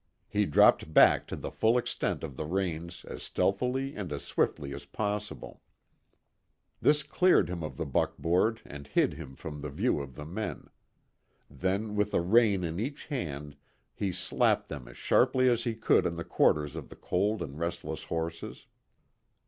He dropped back to the full extent of the reins as stealthily and as swiftly as possible. This cleared him of the buckboard and hid him from the view of the men. Then with a rein in each hand he slapped them as sharply as he could on the quarters of the cold and restless horses.